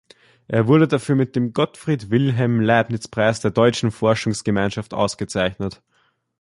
Er wurde dafür mit dem Gottfried-Wilhelm-Leibniz-Preis der Deutschen Forschungsgemeinschaft ausgezeichnet.